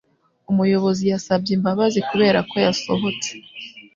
Umuyobozi yasabye imbabazi kuberako yasohotse.